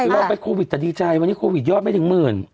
คือเราไปโควิดแต่ดีใจวันนี้โควิดยอดไม่ถึงหมื่น